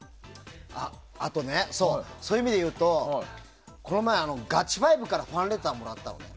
あとね、そういう意味で言うとこの前、ガチ５からファンレターもらったのね。